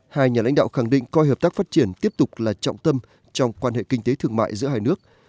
hai nhà lãnh đạo khẳng định coi hợp tác phát triển tiếp tục là trọng tâm trong quan hệ kinh tế thương mại giữa hai nước